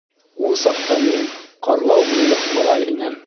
Ул саҡта мин ҡарлау буйлыҡ малай инем.